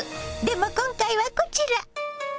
でも今回はこちら！